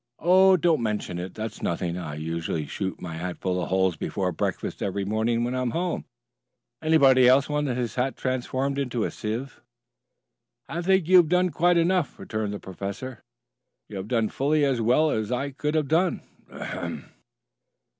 "Oh, don't mention it. That's nothing. I usually shoot my hat full of holes before breakfast every morning when I'm home. Anybody else want his hat transformed into a sieve?" "I think you have done quite enough," returned the professor. "You have done fully as well as I could have done. Ahem!"